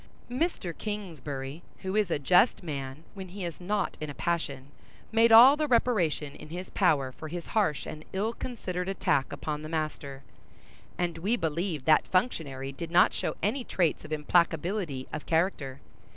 Mr. Kingsbury, who is a just man when he is not in a passion, made all the reparation in his power for his harsh and ill considered attack upon the master; and we believe that functionary did not show any traits of implacability of character.